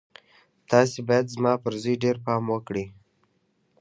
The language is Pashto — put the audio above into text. تاسې بايد زما پر زوی ډېر پام وکړئ.